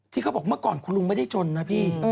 เขาบอกเมื่อก่อนคุณลุงไม่ได้จนนะพี่